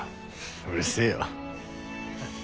うるせえよ。